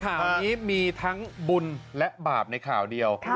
ข่าวนี้มีทั้งบุญและบาปในข่าวเดียว